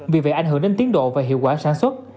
vì vậy ảnh hưởng đến tiến độ và hiệu quả sản xuất